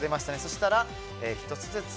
したら１つずつ。